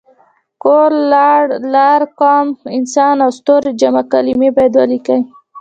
کور، لار، قام، انسان او ستوری جمع کلمې باید ولیکي.